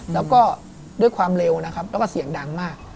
แล้วก็ด้วยความเร็วนะครับแล้วก็เสียงดังมาก